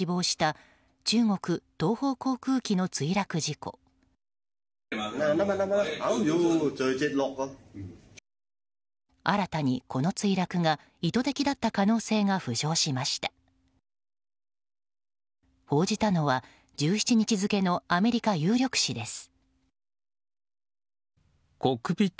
報じたのは１７日付のアメリカ有力紙です。